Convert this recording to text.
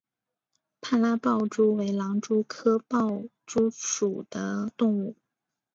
帕拉豹蛛为狼蛛科豹蛛属的动物。